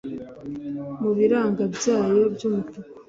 mu birang byayo byumutuku